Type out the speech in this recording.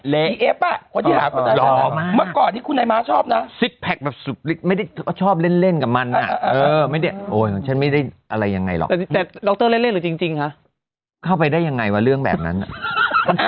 เล่นหรือจริงจริงคะข้้อไปได้ยังไงวะเรื่องแบบนั้นน่ะ